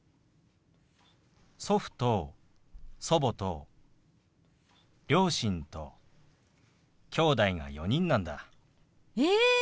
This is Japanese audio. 祖父と祖母と両親ときょうだいが４人なんだ。え！